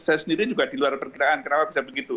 saya sendiri juga di luar perkiraan kenapa bisa begitu